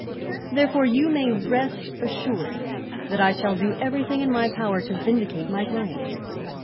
Therefore you may rest assured that I shall do everything in my power to vindicate my client.